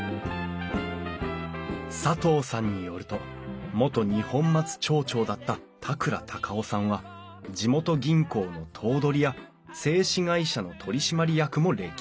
佐藤さんによると元二本松町長だった田倉孝雄さんは地元銀行の頭取や製糸会社の取締役も歴任。